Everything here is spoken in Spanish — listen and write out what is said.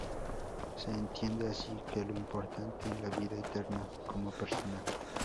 Se entiende así que lo importante es la vida eterna como Persona.